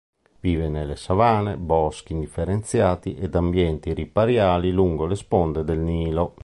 Vive nelle savane, boschi indifferenziati ed ambienti ripariali lungo le sponde del Nilo.